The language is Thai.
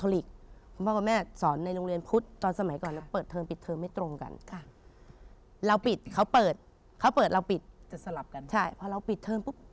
โรงเรียนคาทอลิก